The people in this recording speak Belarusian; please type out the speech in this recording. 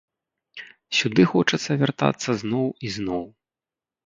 Сюды хочацца вяртацца зноў і зноў.